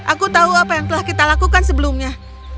aku tahu apa yang telah kita lakukan sebelumnya